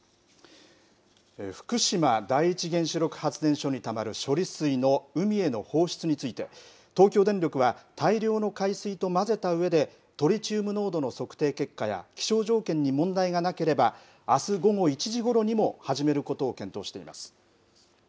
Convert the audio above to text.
福島第一原子力発電所にたまる処理水の海への放出について、東京電力は大量の海水と混ぜたうえで、トリチウム濃度の測定結果や気象条件に問題がなければ、あす午後１時ごろにも始めることを検討しています。